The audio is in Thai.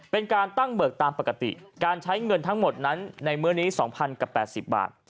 เป็นการตั้งเบิกตามปกติการใช้เงินทั้งหมดนั้นในมื้อนี้๒๐๐กับ๘๐บาท